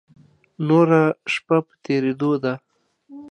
نوره شپه په تېرېدو ده.